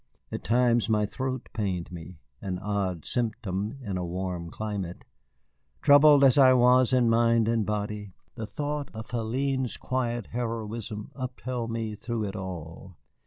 At times my throat pained me, an odd symptom in a warm climate. Troubled as I was in mind and body, the thought of Hélène's quiet heroism upheld me through it all.